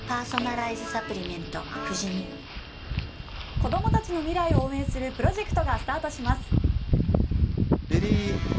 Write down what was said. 子どもたちの未来を応援するプロジェクトがスタートします。